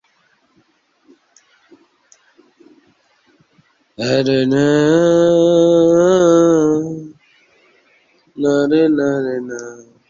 ফলে শব্দটির অর্থ দাঁড়ায় ঘাস আচ্ছাদিত সমভূমির উপর চূড়া।